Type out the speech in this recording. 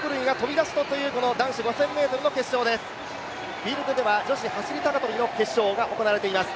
フィールドでは女子走高跳の決勝が行われています。